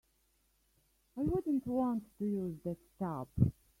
I wouldn't want to use that tub.